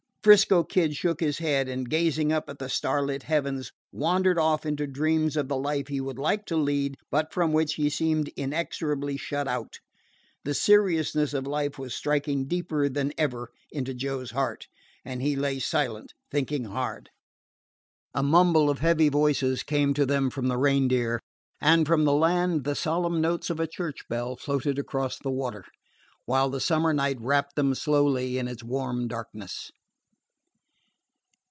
'Frisco Kid shook his head, and, gazing up at the starlit heavens, wandered off into dreams of the life he would like to lead but from which he seemed inexorably shut out. The seriousness of life was striking deeper than ever into Joe's heart, and he lay silent, thinking hard. A mumble of heavy voices came to them from the Reindeer; and from the land the solemn notes of a church bell floated across the water, while the summer night wrapped them slowly in its warm darkness.